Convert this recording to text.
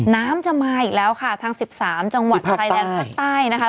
น้ำจะมาอีกแล้วค่ะทาง๑๓จังหวัดไทยแลนด์ภาคใต้